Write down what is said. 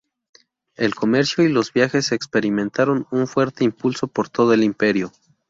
El comercio y los viajes experimentaron un fuerte impulso por todo el Imperio.